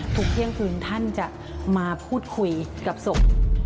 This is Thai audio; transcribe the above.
เที่ยงคืนท่านจะมาพูดคุยกับศพ